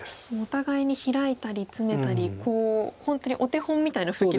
お互いにヒラいたりツメたり本当にお手本みたいな布石ですね。